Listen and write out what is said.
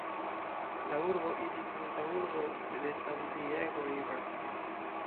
La urbo iĝis antaŭurbo de San-Diego, Riverside.